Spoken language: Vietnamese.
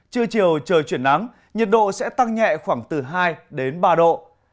trưa chiều trời chuyển nắng nhiệt độ sẽ tăng nhẹ khoảng từ hai đến ba độ